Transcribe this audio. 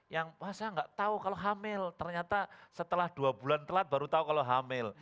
yang pas saya nggak tahu kalau hamil ternyata setelah dua bulan telat baru tahu kalau hamil